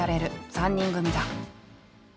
３人組だ。